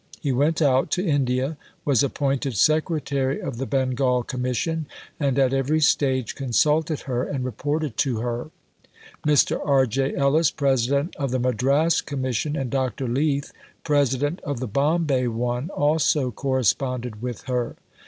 He went out to India, was appointed Secretary of the Bengal Commission, and at every stage consulted her and reported to her. Mr. R. J. Ellis, President of the Madras Commission, and Dr. Leith, President of the Bombay one, also corresponded with her.